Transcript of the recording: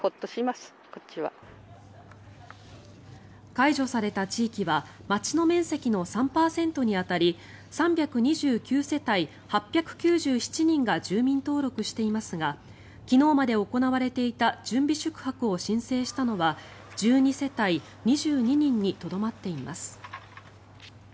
解除された地域は町の面積の３％に当たり３２９世帯８９７人が住民登録していますが昨日まで行われていた準備宿泊を申請したのは１２世帯２２人にとどまっています。